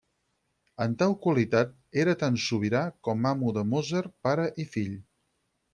En tal qualitat era tant sobirà com amo de Mozart pare i fill.